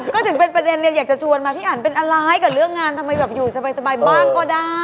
ก็ถึงเป็นประเด็นเนี่ยอยากจะชวนมาพี่อันเป็นอะไรกับเรื่องงานทำไมแบบอยู่สบายบ้างก็ได้